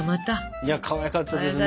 いやかわいかったですね。